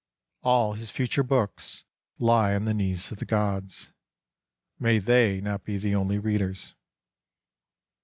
All his future books lie on the knees of the gods. May They not be the only readers.